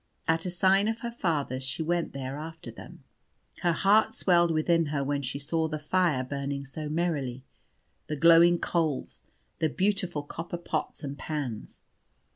At a sign of her father's she went there after them. Her heart swelled within her when she saw the fire burning so merrily, the glowing coals, the beautiful copper pots and pans.